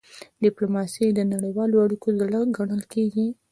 ډيپلوماسي د نړیوالو اړیکو زړه ګڼل کېږي.